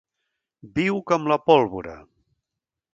Viu com la pólvora.